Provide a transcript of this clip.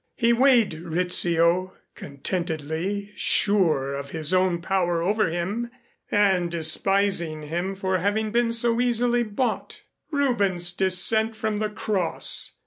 He weighed Rizzio contentedly sure of his own power over him and despising him for having been so easily bought. Rubens's "Descent from the Cross"!